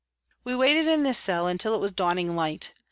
We waited in this cell until it was dawning light.